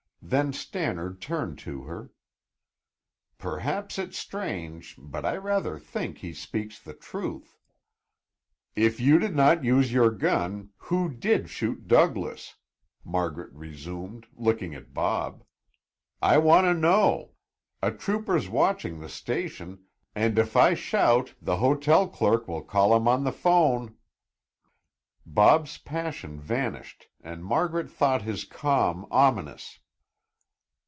Then Stannard turned to her. "Perhaps it's strange, but I rather think he speaks the truth." "If you did not use your gun, who did shoot Douglas?" Margaret resumed, looking at Bob. "I want to know. A trooper's watching the station, and if I shout, the hotel clerk will call him on the 'phone." Bob's passion vanished and Margaret thought his calm ominous.